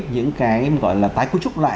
những cái gọi là tái côi trúc lại